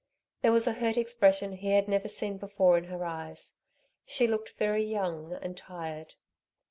There was a hurt expression he had never seen before in her eyes. She looked very young and tired.